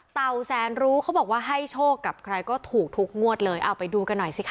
แสนรู้เขาบอกว่าให้โชคกับใครก็ถูกทุกงวดเลยเอาไปดูกันหน่อยสิค